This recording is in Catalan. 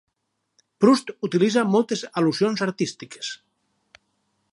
Proust utilitza moltes al·lusions artístiques.